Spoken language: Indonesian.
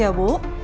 silahkan duduk bu